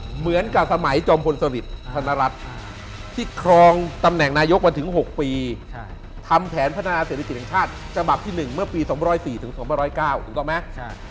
เหมือนกับสมัยจอมพลสริทธนรัฐที่ครองตำแหน่งนายกมาถึง๖ปีทำแผนพัฒนาเศรษฐกิจแห่งชาติฉบับที่๑เมื่อปี๒๐๔๒๐๙ถูกต้องไหม